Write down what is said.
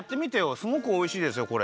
すごくおいしいですよこれ。